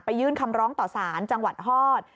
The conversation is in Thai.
ยื่นคำร้องต่อสารจังหวัดฮอต